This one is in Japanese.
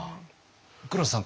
黒田さん